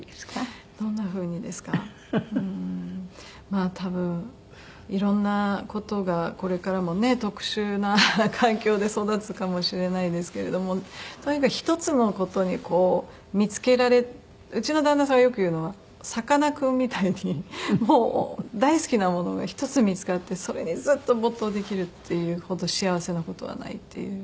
まあ多分いろんな事がこれからもね特殊な環境で育つかもしれないですけれどもとにかく１つの事にこう見付けられうちの旦那さんがよく言うのはさかなクンみたいに大好きなものが１つ見付かってそれにずっと没頭できるっていうほど幸せな事はないっていう。